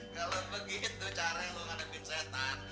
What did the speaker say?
kalau begitu caranya lu ngadepin setan